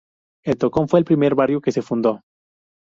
El Tocón fue el primer barrio que se fundó.